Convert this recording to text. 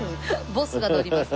「ボスが乗ります」。